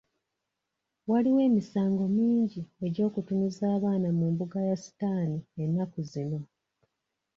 Waliwo emisango mingi egy'okutunuza abaana mu mbuga ya sitaani ennaku zino.